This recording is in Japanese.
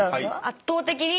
「圧倒的に」